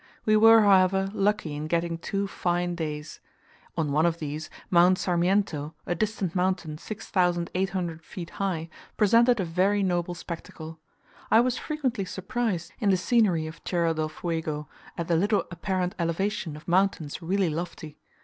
We were, however, lucky in getting two fine days. On one of these, Mount Sarmiento, a distant mountain 6800 feet high, presented a very noble spectacle. I was frequently surprised in the scenery of Tierra del Fuego, at the little apparent elevation of mountains really lofty.